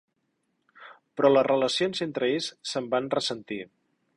Però les relacions entre ells se'n van ressentir.